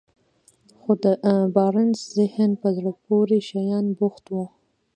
خو د بارنس ذهن په زړه پورې شيانو بوخت و.